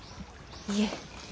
いえ。